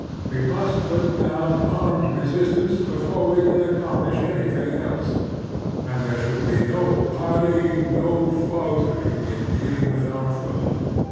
We must put down armed resistance before we can accomplish anything else, and there should be no parlejdng, no faltering, in dealing with our foe.